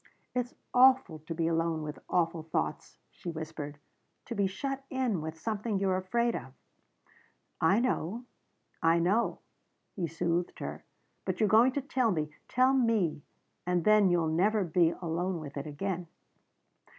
"It's awful to be alone with awful thoughts," she whispered. "To be shut in with something you're afraid of." "I know I know," he soothed her. "But you're going to tell me. Tell me. And then you'll never be alone with it again."